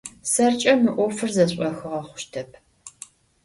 Сэркӏэ мы ӏофыр зэшӏохыгъэ хъущтэп.